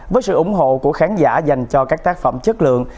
với sự ủng hộ của khán giả dành cho các tác phẩm chất lượng